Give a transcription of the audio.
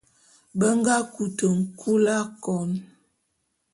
Be nga kute nkul akon.